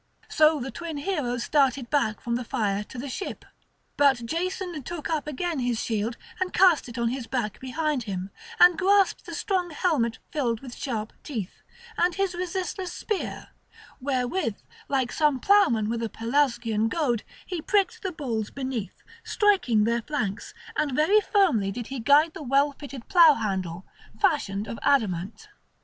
So the twin heroes started back from the fire to the ship. But Jason took up again his shield and cast it on his back behind him, and grasped the strong helmet filled with sharp teeth, and his resistless spear, wherewith, like some ploughman with a Pelasgian goad, he pricked the bulls beneath, striking their flanks; and very firmly did he guide the well fitted plough handle, fashioned of adamant.